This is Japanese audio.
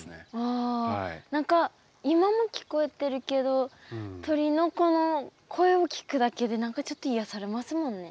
あ何か今も聞こえてるけど鳥のこの声を聞くだけで何かちょっと癒やされますもんね。